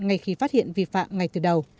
ngay khi phát hiện vi phạm ngay từ đầu